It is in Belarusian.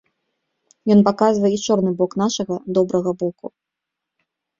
Ён паказвае і чорны бок нашага, добрага боку.